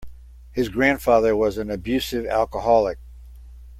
His grandfather was an abusive alcoholic.